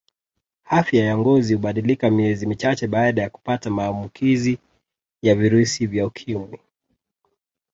Afya ya ngozi hubadilika miezi michache baada ya kupata maamukizi ya virusi vya ukimwi